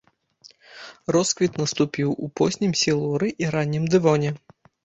Росквіт наступіў у познім сілуры і раннім дэвоне.